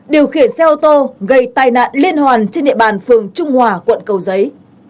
điều khiển xe ô tô gây tai nạn liên hoàn trên địa bàn phường trung hòa quận cầu giấy